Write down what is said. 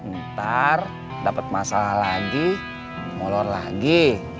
ntar dapet masalah lagi ngolor lagi